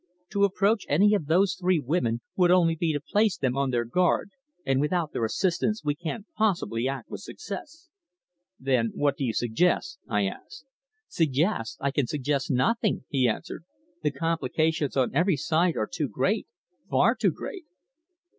To approach any of those three women would only be to place them on their guard, and without their assistance we can't possibly act with success." "Then what do you suggest?" I asked. "Suggest? I can suggest nothing," he answered. "The complications on every side are too great far too great."